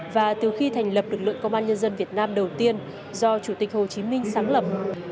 và từ khi thành lập lực lượng công an nhân dân việt nam đầu tiên do chủ tịch hồ chí minh sáng lập